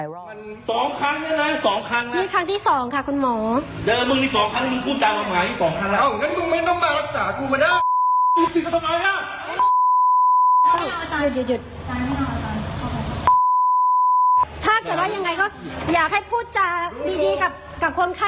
ลองไปดูอะค่ะ